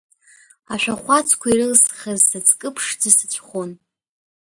Ашәахәацқәа ирылысхыз сыҵкы ԥшӡа сыцәхон.